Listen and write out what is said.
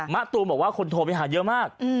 ตูมบอกว่าคนโทรไปหาเยอะมาก